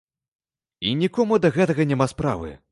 І нікому да гэтага няма справы!